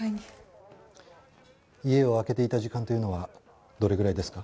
家を空けていた時間というのはどれぐらいですか？